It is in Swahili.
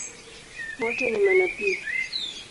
Wote ni manabii?